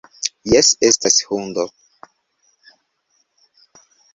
Jes, estas hundo.